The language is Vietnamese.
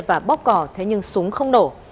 và bóc cỏ thế nhưng súng không nổ